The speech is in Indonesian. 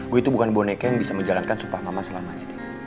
gue itu bukan boneka yang bisa menjalankan sumpah mama selamanya